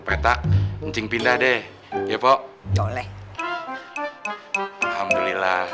peta ncing pilih yang mana ya kalau ncing pilih yang mana ya kalau ncing pilih yang mana ya kalau